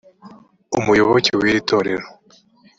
umuyoboke w iri torero